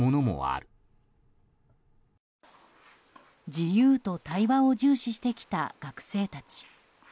自由と対話を重視してきた学生たち。